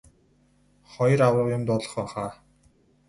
Хоёр аварга юм дуулгах байх аа.